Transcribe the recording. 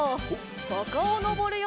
さかをのぼるよ。